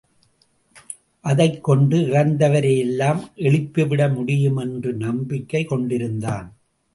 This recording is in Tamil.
அதைக் கொண்டு இறந்தவரை எல்லாம் எழுப்பிவிட முடியும் என்ற நம்பிக்கை கொண்டிருந்தான்.